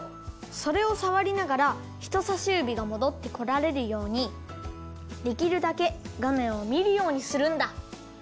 それをさわりながらひとさしゆびがもどってこられるようにできるだけがめんをみるようにするんだ。